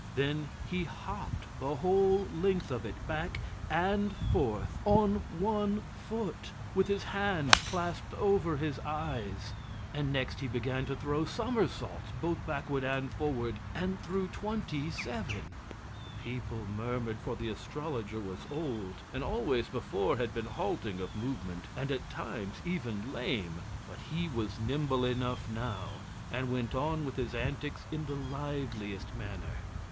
Then he hopped the whole length of it back and forth on one foot, with his hands clasped over his eyes; and next he began to throw somersaults, both backward and forward, and threw twenty seven. The people murmured, for the astrologer was old, and always before had been halting of movement and at times even lame, but he was nimble enough now and went on with his antics in the liveliest manner.